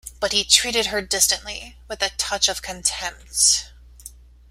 But he treated her distantly, with a touch of contempt.